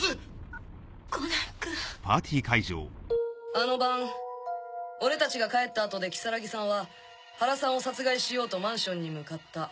あの晩俺たちが帰った後で如月さんは原さんを殺害しようとマンションに向かった。